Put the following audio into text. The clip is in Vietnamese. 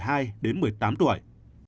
hãy đăng ký kênh để ủng hộ kênh của mình nhé